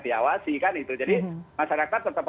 diawasi kan itu jadi masyarakat tetap